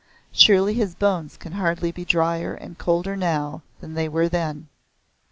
Surely his bones can hardly be dryer and colder now than they were then!